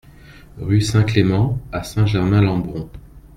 Rue Saint-Clement à Saint-Germain-Lembron